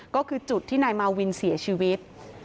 ก็คือจุดที่นายมาวินเสียชีวิต